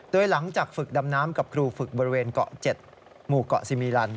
โดยหลังจากฝึกดำน้ำกับครูฝึกบริเวณเกาะ๗หมู่เกาะซิมิลัน